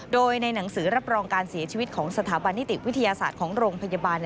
โดยในหนังสือรับรองการเสียชีวิตของสถาบันนิติวิทยาศาสตร์ของโรงพยาบาล